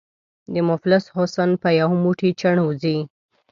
د مفلس حسن په یو موټی چڼو ځي.